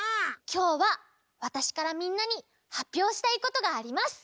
きょうはわたしからみんなにはっぴょうしたいことがあります！